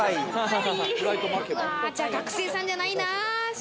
じゃあ学生さんじゃないな。